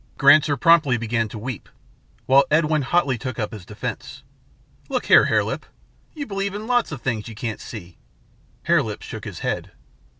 Granser promptly began to weep, while Edwin hotly took up his defence. "Look here, Hare Lip, you believe in lots of things you can't see." Hare Lip shook his head.